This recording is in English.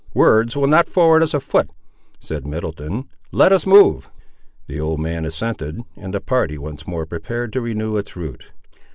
"Words will not forward us a foot," said Middleton; "let us move." The old man assented, and the party once more prepared to renew its route.